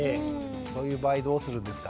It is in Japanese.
そういう場合どうするんですか？